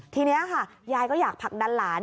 ทีนี้ค่ะยายก็อยากผลักดันหลาน